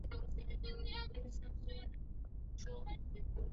苏联国防委员会是苏联武装力量和国防体系的最高决策机关。